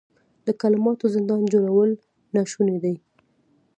د کلماتو زندان جوړول ناشوني دي.